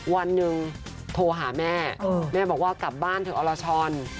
วันหนึ่งโทรหาแม่แม่บอกว่ากลับบ้านเถอะอรชร